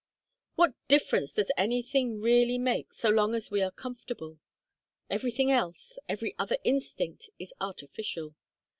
What difference does anything really make, so long as we are comfortable? Everything else, every other instinct, is artificial.